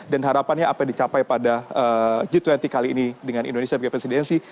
dan harapannya apa yang dicapai pada g dua puluh kali ini dengan indonesia menjadi presidensi